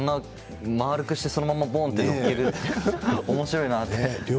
丸くして、そのままぼんって載っけるって、おもしろいなって。